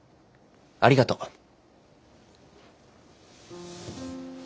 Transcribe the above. ありがとう。